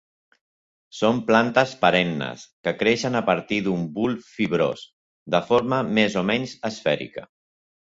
Són plantes perennes que creixen a partir d'un bulb fibrós, de forma més o menys esfèrica.